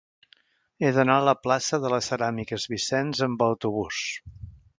He d'anar a la plaça de les Ceràmiques Vicens amb autobús.